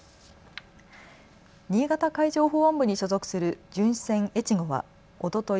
新潟海上保安部に所属する巡視船えちごはおととい